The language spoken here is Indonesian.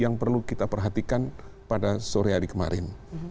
yang perlu kita perhatikan pada sore hari kemarin